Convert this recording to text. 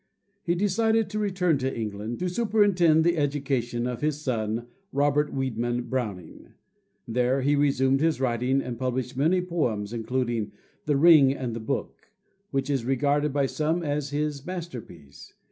He decided to return to England to superintend the education of his son, Robert Wiedeman Browning. There he resumed his writing, and published many poems, including "The Ring and the Book," which is regarded by some as his masterpiece.